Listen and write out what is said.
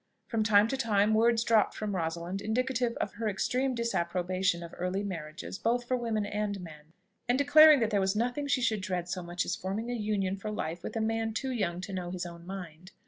From time to time words dropped from Rosalind indicative of her extreme disapprobation of early marriages both for women and men, and declaring that there was nothing she should dread so much as forming a union for life with a man too young to know his own mind.